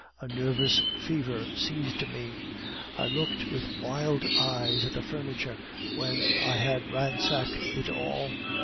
A nervous fever seized me; I looked with wild eyes at the furniture when I had ransacked it all.